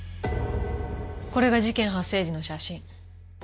これが事件発生時の写真。